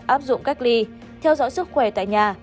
áp dụng cách ly theo dõi sức khỏe tại nhà